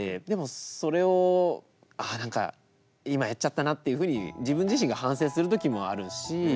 でもそれをあなんか今やっちゃったなっていうふうに自分自身が反省する時もあるし。